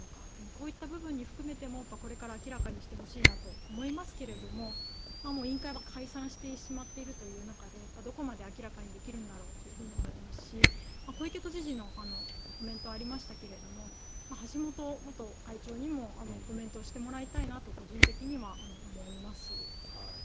こういった部分に含めてもこれから明らかにしてほしいと思いますが委員会は解散してしまっているという中でどこまで明らかにできるんだろうと思いますし小池都知事のコメントがありましたけれども橋本元会長にもコメントしてもらいたいなと個人的には思います。